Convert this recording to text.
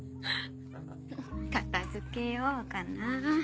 片付けようかなぁ。